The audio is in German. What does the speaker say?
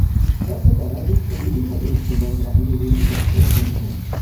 Dort begann er, sich politisch und insbesondere antisemitisch zu orientieren.